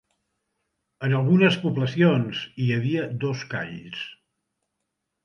En algunes poblacions hi havia dos calls.